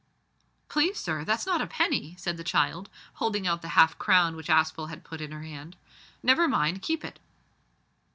"Please, sir, that's not a penny," said the child, holding out the half crown which Aspel had put in her hand. "Never mind; keep it."